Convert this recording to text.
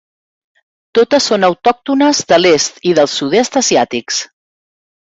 Totes són autòctones de l'est i del sud-est asiàtics.